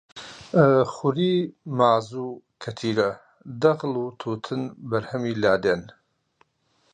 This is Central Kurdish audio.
خوری، مازوو، کەتیرە، دەغڵ و تووتن بەرهەمی لادێن